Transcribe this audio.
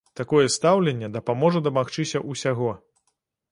Такое стаўленне дапаможа дамагчыся ўсяго!